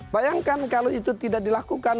bayangkan kalau itu tidak dilakukan